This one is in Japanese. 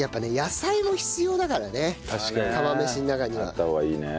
あった方がいいね。